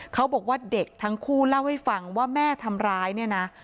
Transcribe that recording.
เขาบอกว่าเด็กทั้งคู่เล่าให้ฟังว่าแม่ทำร้ายเนี่ยนะ